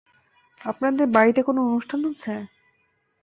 আপনাদের বাড়িতে কোন অনুষ্ঠান হচ্ছে?